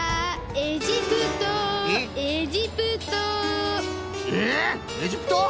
エジプト！？